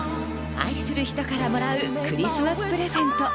愛する人からもらうクリスマスプレゼント。